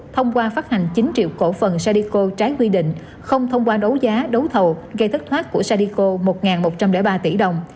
thông qua phát hành chín triệu cổ phần sadico trái quy định không thông qua đấu giá đấu thầu gây thất thoát của sadico một một trăm linh ba tỷ đồng